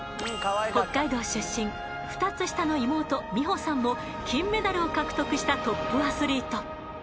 北海道出身２つ下の妹・美帆さんも金メダルを獲得したトップアスリート。